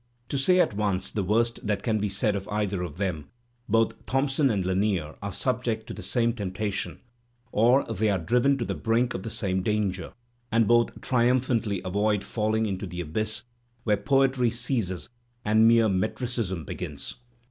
To say at once the worst that can be said of either of them, both Thompson and Lanier are subject to the same tempta tion, or they are driven to the brink of the same danger, and both triumphantly avoid falling into the abyss where poetry ceases and mere "metricism" begins.